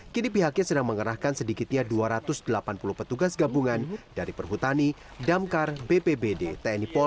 kini pihaknya sedang mengerahkan sedikitnya dua ratus delapan puluh petugas gabungan dari perhutani damkar bpbd tni polri